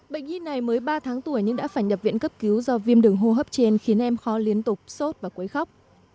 bệnh nhi này mới ba tháng tuổi nhưng đã phải nhập viện cấp cứu do viêm đường hô hấp trên khiến em khó liên tục sốt và quấy khóc